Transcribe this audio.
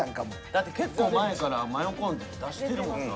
だって結構前からマヨコーンって出してるもんな。